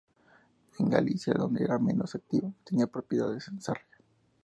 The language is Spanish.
En Galicia, donde era menos activo, tenía propiedades en Sarria.